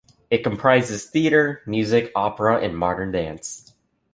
It comprises theatre, music, opera and modern dance.